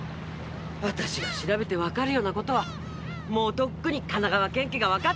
私が調べて分かるようなことはもうとっくに神奈川県警が分かってんじゃないですかね